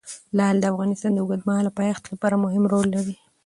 لعل د افغانستان د اوږدمهاله پایښت لپاره مهم رول لري.